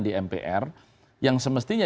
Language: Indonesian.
di mpr yang semestinya